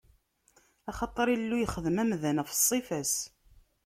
Axaṭer Illu yexdem amdan ɣef ṣṣifa-s.